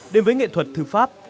đến với nghệ thuật thư pháp